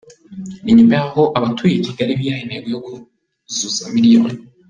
Ni nyuma y’aho abatuye i Kigali bihaye intego yo kuzuza miliyoni.